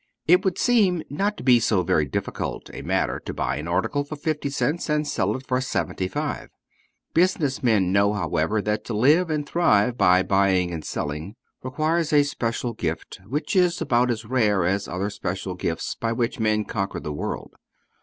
It would seem not to be so very difficult a matter to buy an article for fifty cents and sell it for seventy five. Business men know, however, that to live and thrive by buying and selling requires a special gift, which is about as rare as other special gifts by which men conquer the world.